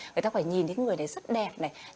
người ta phải nhìn thấy người này rất đẹp này